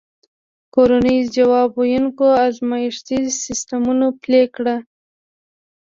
کورنیو ځواب ویونکی ازمایښتي سیستم پلی کړ.